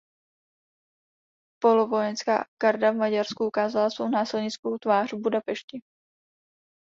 Polovojenská garda v Maďarsku ukázala svou násilnickou tvář v Budapešti.